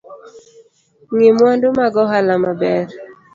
Ng’i mwandu mag ohala maber